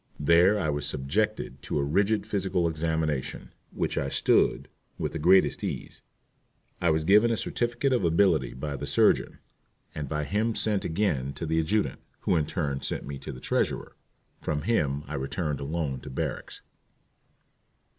There I was subjected to a rigid physical examination, which I "stood" with the greatest ease. I was given a certificate of ability by the surgeon, and by him sent again to the adjutant, who in turn sent me to the treasurer. From him I returned alone to barracks.